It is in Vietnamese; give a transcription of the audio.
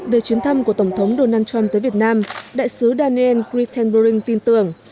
về chuyến thăm của tổng thống donald trump tới việt nam đại sứ daniel gris tembering tin tưởng